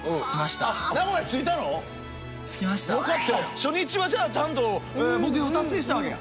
初日はじゃあちゃんと目標達成したわけや。